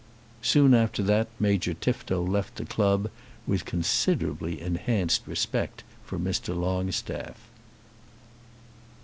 Soon after that Major Tifto left the club, with considerably enhanced respect for Mr. Longstaff.